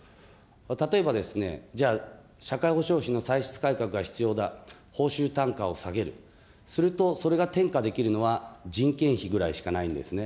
例えばですね、じゃあ、社会保障費の歳出改革が必要だ、報酬単価を下げる、するとそれが転嫁できるのは人件費ぐらいしかないんですね。